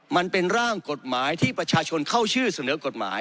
มันเป็นร่างกฎหมายที่ประชาชนเข้าชื่อเสนอกฎหมาย